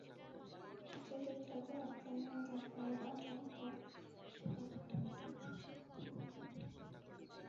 মুক্তিযোদ্ধাদের আক্রমণে তাৎক্ষণিক হতাহত হলো কয়েকজন পাকিস্তানি সেনা।